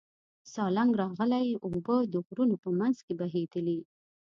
سالنګ راغلې اوبه د غرونو په منځ کې بهېدلې.